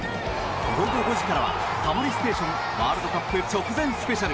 午後５時からは「タモリステーションワールドカップ直前ＳＰ」。